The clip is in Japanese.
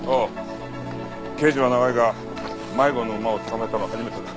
刑事は長いが迷子の馬を捕まえたのは初めてだ。